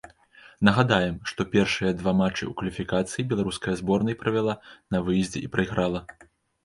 Нагадаем, што першыя два матчы ў кваліфікацыі беларуская зборнай правяла на выездзе і прайграла.